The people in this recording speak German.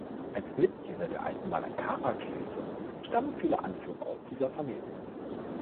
Als Mitglieder der alten Malankara-Kirche stammen viele Anführer aus dieser Familie.